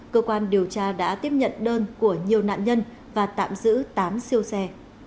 cơ quan điều tra đã tiếp nhận đơn của nhiều nạn nhân và tạm giữ tám siêu xe